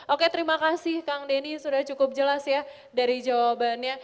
oke terima kasih kang denny sudah cukup jelas ya dari jawabannya